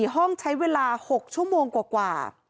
ห้องใช้เวลา๖ชั่วโมงกว่า